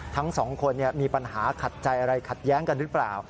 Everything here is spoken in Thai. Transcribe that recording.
ทั้งสองคนมีปัญหาขัดใจอะไรขัดแย้งกันหรือเปล่า